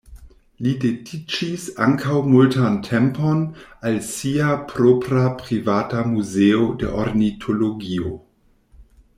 Li dediĉis ankaŭ multan tempon al sia propra privata muzeo de ornitologio.